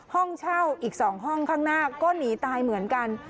ห้องเช่าอีก๒ห้องข้างหน้าก็หนีตายเหมือนกัน